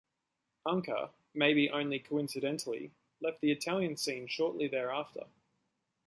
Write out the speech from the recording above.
Anka, maybe only coincidentally, left the Italian scene shortly thereafter.